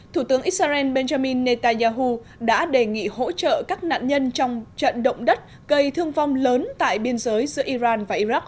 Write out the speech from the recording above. thủ tướng israel benjamin netanyahu đã đề nghị hỗ trợ các nạn nhân trong trận động đất gây thương vong lớn tại biên giới giữa iran và iraq